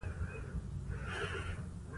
د شکر صفت په ځان کي پيدا کول ډير زيات ضروري دی